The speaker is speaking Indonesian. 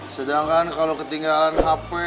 sedangkan kalau ketinggalan hp